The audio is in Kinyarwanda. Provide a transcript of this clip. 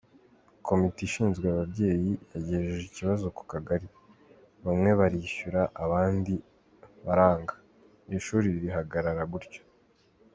Komite ishinzwe ababyeyi yagejeje ikibazo ku kagari, bamwe barishyura, abandi barang; ishuri rihagarara gutyo.